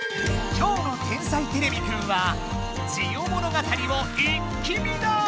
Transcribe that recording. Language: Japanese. きょうの「天才てれびくん」は「ジオ物語」を一気見だ！